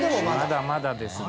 まだまだですね。